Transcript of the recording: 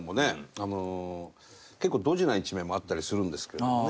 あの結構ドジな一面もあったりするんですけどね。